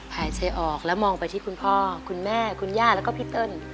หายใจออกแล้วมองไปที่คุณพ่อคุณแม่คุณย่าแล้วก็พี่เติ้ล